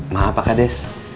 maaf pak kades